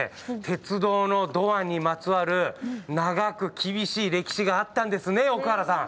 鉄道のドアにまつわる長く厳しい歴史があったんですね奥原さん。